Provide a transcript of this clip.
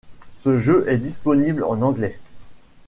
Ce jeu est disponible en anglais.